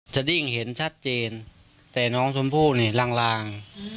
ดิ้งเห็นชัดเจนแต่น้องชมพู่นี่ลาง